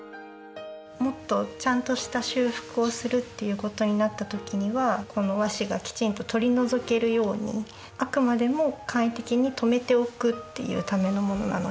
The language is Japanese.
もっとちゃんとした修復をするっていうことになった時にはこの和紙がきちんと取り除けるようにあくまでも簡易的にとめておくっていうためのものなので。